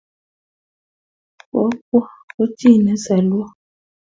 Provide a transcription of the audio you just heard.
bokwo ko chi ne solwo